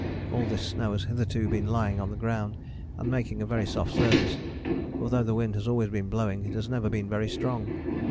All this snow has hitherto been lying on the ground and making a very soft surface, for though the wind has always been blowing it has never been very strong.